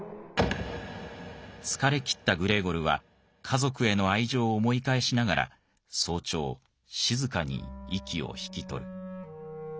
疲れきったグレーゴルは家族への愛情を思い返しながら早朝静かに息を引き取る。